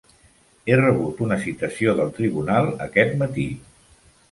He rebut una citació del tribunal aquest matí.